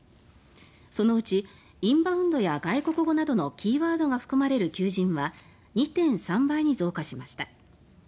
そのうちインバウンドや外国語などのキーワードが含まれる求人は２．３倍に増加しました。